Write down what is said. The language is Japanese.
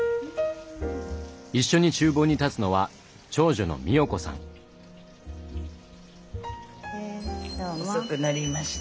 一緒に厨房に立つのは遅くなりました。